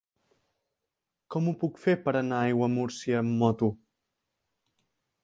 Com ho puc fer per anar a Aiguamúrcia amb moto?